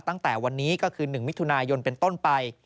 ตั้งแต่วันนี้ก็คือ๑มิถุนายนเป็นต้นไป